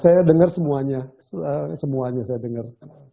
saya dengar semuanya semuanya saya dengar